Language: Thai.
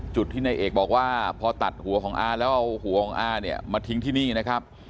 จุดที่นายเอกบอกว่าพอตัดหัวของอาแล้วเอาหัวของอาเนี่ยมาทิ้งที่นี่นะครับ